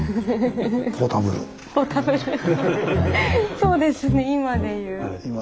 そうですね今でいう。